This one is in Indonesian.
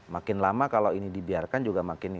makin lama kalau ini dibiarkan juga makin